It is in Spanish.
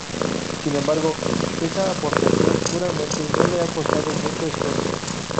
Sin embargo, esa aportación seguramente no le ha costado mucho esfuerzo.